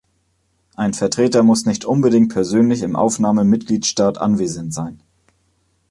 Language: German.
Ein Vertreter muss nicht unbedingt persönlich im Aufnahmemitgliedstaat anwesend sein.